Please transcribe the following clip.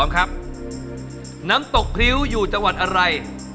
กรุงเทพหมดเลยครับ